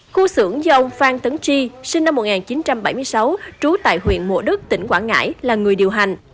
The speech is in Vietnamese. khu xưởng do ông phan tấn chi sinh năm một nghìn chín trăm bảy mươi sáu trú tại huyện mộ đức tỉnh quảng ngãi là người điều hành